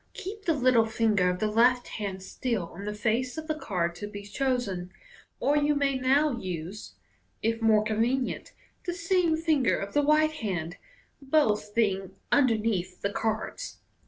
Keep the little ringer of the »2 MODERN MAGIC, left hand still on the face of the card to be chosen, or you ma} now Lse, if more convenient, the same finger of the right hand, both being underneath the cards.